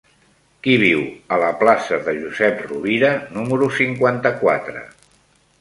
Qui viu a la plaça de Josep Rovira número cinquanta-quatre?